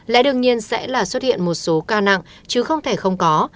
lẽ đương nhiên sẽ là xuất hiện một số ca nặng chứ không thể không có